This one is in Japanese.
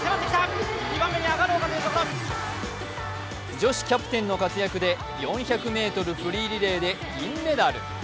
女子キャプテンの活躍で４００ｍフリーリレーで銀メダル。